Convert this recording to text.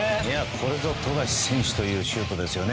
これぞ富樫選手というシュートですよね。